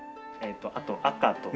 あと赤と。